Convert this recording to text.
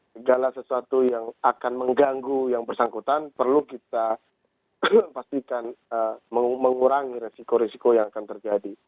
segala sesuatu yang akan mengganggu yang bersangkutan perlu kita pastikan mengurangi resiko risiko yang akan terjadi